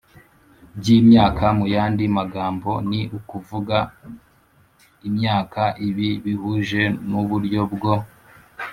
by imyaka mu yandi magambo ni ukuvuga imyaka Ibi bihuje n uburyo bwo